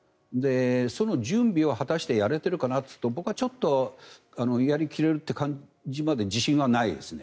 その準備を果たしてやれているかなというと僕はちょっとやり切れるって感じまで自信がないですね。